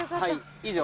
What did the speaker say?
以上？